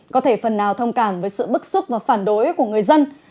có thể phần nào thông cảm với sự bức xúc và phản đối của người dân